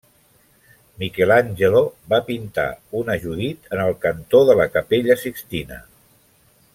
Michelangelo va pintar una Judit en el cantó de la capella Sixtina.